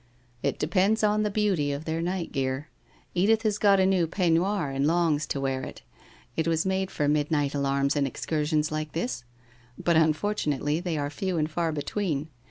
' It depends on the beauty of their night gear. Edith has got a new peignoir and longs to wear it. It was made for midnight alarms and excursions like this, but unfor nately, they are few and far between.